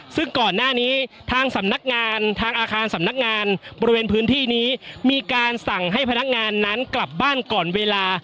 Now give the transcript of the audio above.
ซึ่งก่อนหน้านี้ทางสำนักงานทางอาคารสำนักงานบริเวณพื้นที่นี้มีการสั่งให้พนักงานนั้นกลับบ้านก่อนเวลา